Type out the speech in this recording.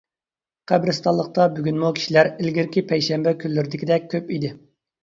قەبرىستانلىقتا بۈگۈنمۇ كىشىلەر ئىلگىرىكى پەيشەنبە كۈنلىرىدىكىدەك كۆپ ئىدى.